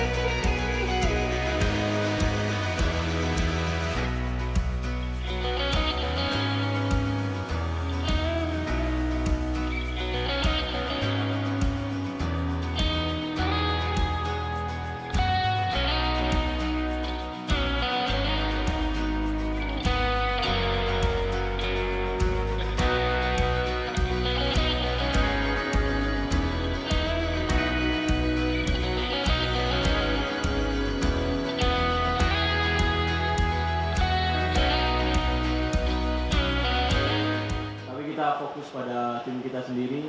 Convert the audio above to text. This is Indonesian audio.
tapi kita fokus pada tim kita sendiri